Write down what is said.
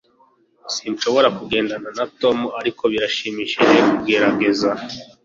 Sinshobora kugendana na Tom, ariko birashimishije kugerageza.